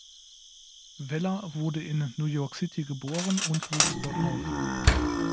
Weller wurde in New York City geboren und wuchs dort auf.